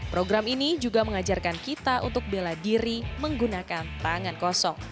program ini juga mengajarkan kita untuk bela diri menggunakan tangan kosong